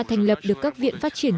thành lập được các viện phát triển